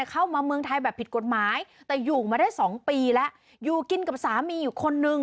เข้ามาเมืองไทยแบบผิดกฎหมายแต่อยู่มาได้สองปีแล้วอยู่กินกับสามีอยู่คนนึง